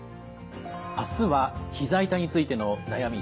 あすはひざ痛についての悩み